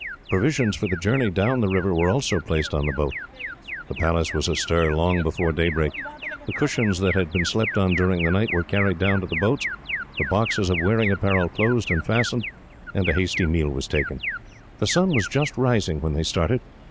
Provisions for the journey down the river were also placed on board. The palace was astir long before daybreak. The cushions that had been slept on during the night were carried down to the boats, the boxes of wearing apparel closed and fastened, and a hasty meal was taken. The sun was just rising when they started.